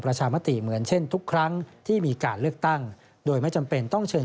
ประชามติเหมือนเช่นทุกครั้งที่มีการเลือกตั้งโดยไม่จำเป็นต้องเชิญ